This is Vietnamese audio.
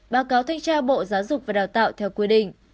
báo cáo thanh tra bộ giáo dục và đào tạo theo quy định